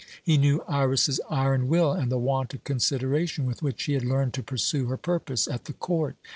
He knew Iras's iron will and the want of consideration with which she had learned to pursue her purpose at the court.